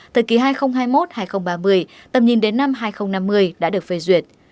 thời kỳ hai nghìn hai mươi một hai nghìn ba mươi tầm nhìn đến năm hai nghìn năm mươi đã được phê duyệt